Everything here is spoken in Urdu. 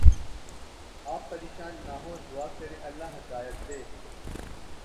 آپ پریشان نہ ہوں دعا کریں اللہ ہدایت دے